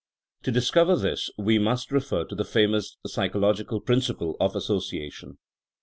To discover this we must refer to the famous psychological principle of association.